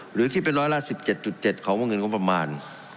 หรือคิดเป็นร้อยละ๑๗๗ของวงเงินงบประมาณ